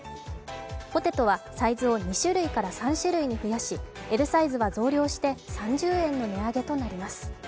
ポテトはサイズを２種類から３種類に増やしＬサイズは増量して３０円の値上げとなります。